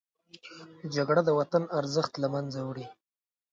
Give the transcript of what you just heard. جګړه د وطن ارزښت له منځه وړي